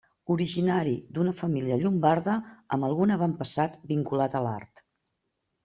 Originari d'una família llombarda amb algun avantpassat vinculat a l'art.